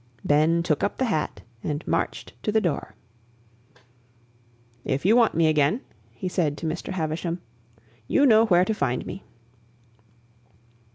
Ben took up the hat and marched to the door. "If you want me again," he said to Mr. Havisham, "you know where to find me."